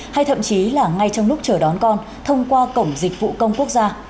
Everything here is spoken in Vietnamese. hay thậm chí là ngay trong lúc chờ đón con thông qua cổng dịch vụ công quốc gia